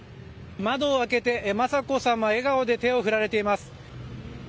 窓を開けて、雅子さま笑顔で手を振られています。